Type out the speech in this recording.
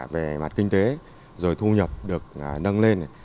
về mặt kinh tế rồi thu nhập được nâng lên